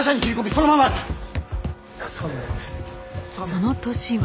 その年は。